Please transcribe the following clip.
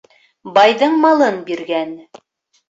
Байҙың малын биргән